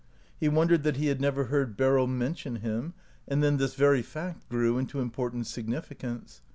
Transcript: He wondered that he had never heard 194 OUT OF BOHEMIA Beryl mention him, and then this very fact grew into important significance.